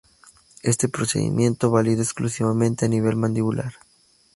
Este procedimiento válido exclusivamente a nivel mandibular.